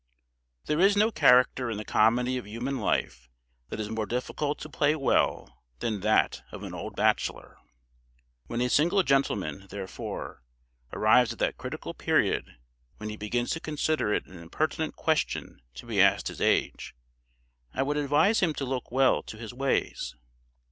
There is no character in the comedy of human life that is more difficult to play well than that of an old bachelor. When a single gentleman, therefore, arrives at that critical period when he begins to consider it an impertinent question to be asked his age, I would advise him to look well to his ways.